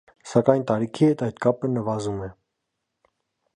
Սակայն տարիքի հետ այդ կապը նվազում է։